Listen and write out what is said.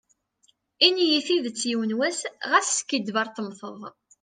Ini-yi tidet yiwen was, ɣas skiddib ar temteḍ.